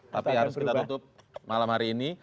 tapi harus kita tutup malam hari ini